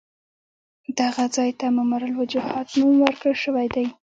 دغه ځای ته ممر الوجحات نوم ورکړل شوی دی.